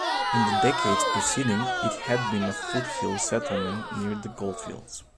In the decades preceding, it had been a foothills settlement near the gold fields.